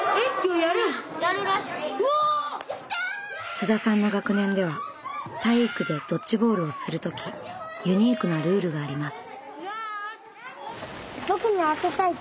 津田さんの学年では体育でドッジボールをする時ユニークなルールがあります。